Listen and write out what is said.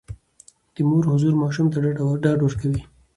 د مور حضور ماشوم ته ډاډ ورکوي.